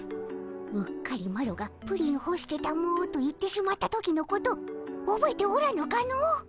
うっかりマロがプリンほしてたもと言ってしまった時のことおぼえておらぬかの。